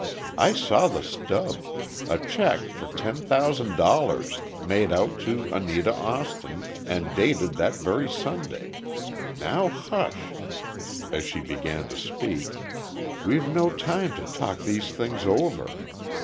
I saw the stub—a check for ten thousand dollars—made out to Anita Austin, and dated that very Sunday. Now, hush—" as she began to speak, "we've no time to talk these things over.